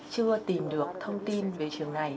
chưa tìm được thông tin về trường này